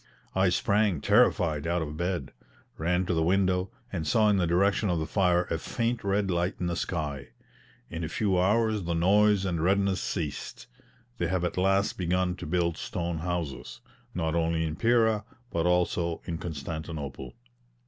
I sprang terrified out of bed, ran to the window, and saw in the direction of the fire a faint red light in the sky. In a few hours the noise and redness ceased. They have at last begun to build stone houses, not only in Pera but also in Constantinople.